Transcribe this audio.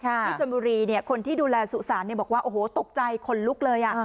ที่ชนบุรีคนที่ดูแลสุสานบอกว่าโอ้โหตกใจขนลุกเลย